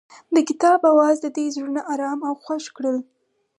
د کتاب اواز د دوی زړونه ارامه او خوښ کړل.